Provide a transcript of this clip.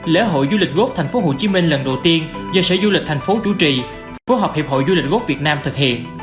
lễ hội du lịch gold tp hcm lần đầu tiên do sở du lịch tp hcm chủ trì phối hợp hiệp hội du lịch gold việt nam thực hiện